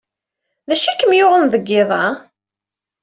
D acu ay kem-yuɣen deg yiḍ-a?